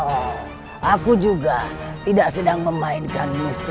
oh aku juga tidak sedang memainkan musik